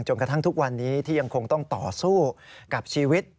กระทั่งทุกวันนี้ที่ยังคงต้องต่อสู้กับชีวิต